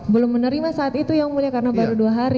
belum menerima saat itu yang mulia karena baru dua hari